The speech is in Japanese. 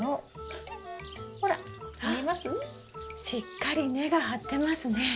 しっかり根が張ってますね。